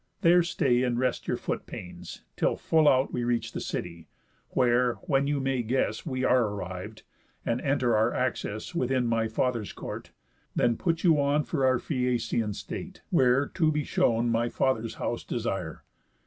There stay, and rest your foot pains, till full out We reach the city; where, when you may guess We are arriv'd, and enter our access Within my father's court, then put you on For our Phæacian state, where, to be shown My father's house, desire.